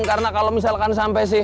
karena kalau misalkan sampai sih